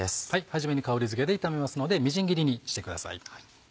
初めに香りづけで炒めますのでみじん切りにしてください。